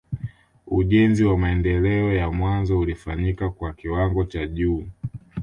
Ujenzi wa maendeleo ya mwanzo ulifanyika kwa kiwango cha juu